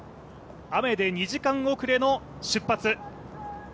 雨で２時間遅れの出発。